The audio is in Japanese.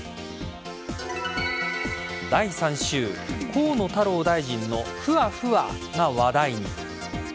河野太郎大臣のふわふわが話題に。